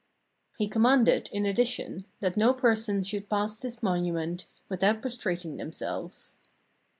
He commanded, in addition, that no persons should pass this monument without prostrating themselves.